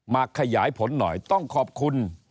ขยายผลหน่อยต้องขอบคุณ